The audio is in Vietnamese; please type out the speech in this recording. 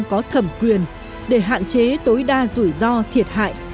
các cơ quan có thẩm quyền để hạn chế tối đa rủi ro thiệt hại